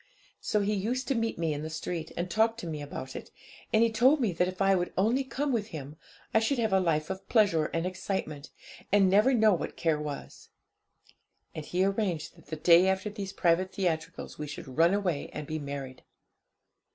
So he used to meet me in the street, and talk to me about it, and he told me that if I would only come with him, I should have a life of pleasure and excitement, and never know what care was. And he arranged that the day after these private theatricals we should run away and be married.